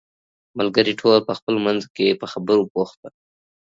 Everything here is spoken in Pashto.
ملګري ټول په خپلو منځو کې په خبرو بوخت وو.